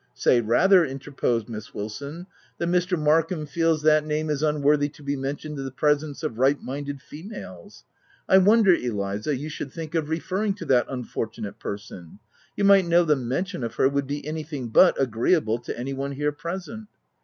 " Say rather," interposed Miss Wilson, "that Mr. Markham feels that name is unworthy to be mentioned in the presence of right minded females. I wonder Eliza, you should think of referring to that unfortunate person — you might know the mention of her would be anything but agreeable to any one here present."